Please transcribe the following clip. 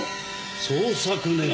捜索願？